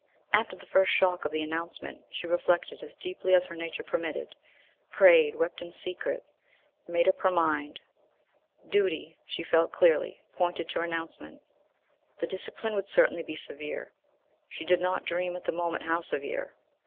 After the first shock of the announcement, she reflected as deeply as her nature permitted, prayed, wept in secret and made up her mind. Duty, she felt clearly, pointed to renouncement. The discipline would certainly be severe she did not dream at the moment how severe!